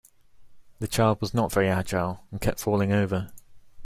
The child was not very agile, and kept falling over